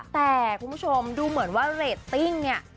แต่คุณผู้ชมดูเหมือนว่าเรตติ้งเนี่ย